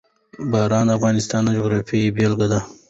باران د افغانستان د جغرافیې بېلګه ده.